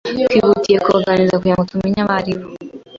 Twihutiye kubaganiriza kugirango tumenye abo ari bo.